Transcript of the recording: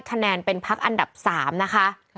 คะแนนเป็นพักอันดับ๓นะคะ